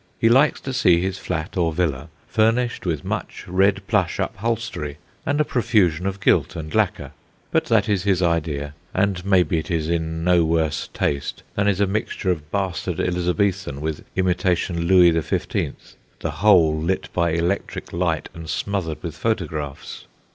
He likes to see his flat or villa furnished with much red plush upholstery and a profusion of gilt and lacquer. But that is his idea; and maybe it is in no worse taste than is a mixture of bastard Elizabethan with imitation Louis XV, the whole lit by electric light, and smothered with photographs.